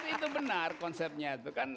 itu benar konsepnya